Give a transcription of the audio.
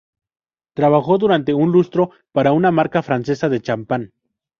Trabajó durante un lustro para una marca francesa de champán.